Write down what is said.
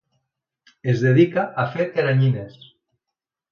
Es dedica a fer teranyines.